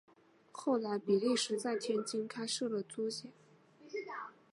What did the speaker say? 后来比利时在天津开设了租界。